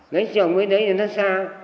lấy chồng mới lấy thì nó xa